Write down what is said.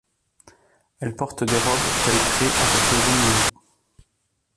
Elle porte des robes qu'elle crée avec les animaux.